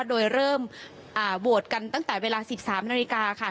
โดยเริ่มโหวตกันตั้งแต่เวลา๑๓นาฬิกาค่ะ